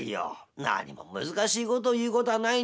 「なにも難しいこと言うことはないんですよ。